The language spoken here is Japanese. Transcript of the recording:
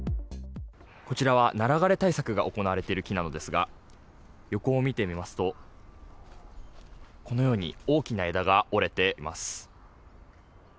こちらはナラ枯れ対策が行われている木なのですが、横を見てみますと、このように、大きな枝が折れています。